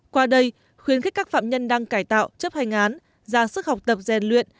qua đây khuyến khích các phạm nhân đang cải tạo chấp hành án ra sức học tập rèn luyện